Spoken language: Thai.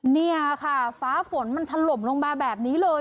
นี่ค่ะฟ้าฝนมันถล่มลงมาแบบนี้เลย